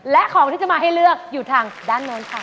และของที่จะมาให้เลือกอยู่ทางด้านโน้นค่ะ